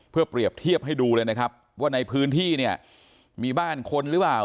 เพื่อเปรียบเทียบให้ดูเลยนะครับว่าในพื้นที่เนี่ยมีบ้านคนหรือเปล่า